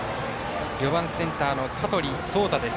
４番センターの香取蒼太です。